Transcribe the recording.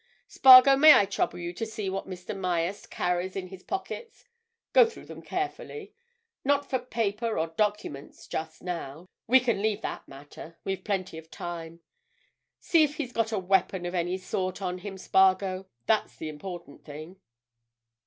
Spargo—may I trouble you to see what Mr. Myerst carries in his pockets? Go through them carefully. Not for papers or documents—just now. We can leave that matter—we've plenty of time. See if he's got a weapon of any sort on him, Spargo—that's the important thing."